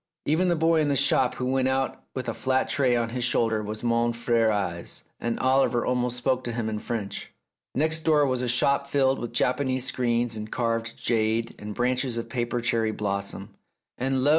Even the boy in the shop who went out with a flat tray on his shoulder was mon fiere Yves, and Oliver almost spoke to him in French. Next door was a shop filled with Japanese screens and carved jade and branches 273 The Tragedy of Oliver Bowman of paper cherry blossom, and lo